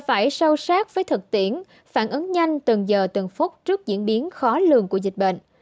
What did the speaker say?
phải sâu sát với thực tiễn phản ứng nhanh từng giờ từng phút trước diễn biến khó lường của dịch bệnh